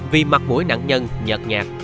vì mặt mũi nạn nhân nhạt nhạt